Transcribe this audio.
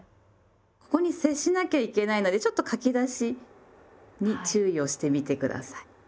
ここに接しなきゃいけないのでちょっと書き出しに注意をしてみて下さい。